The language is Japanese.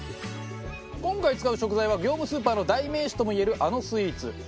今回使う食材は業務スーパーの代名詞ともいえるあのスイーツ。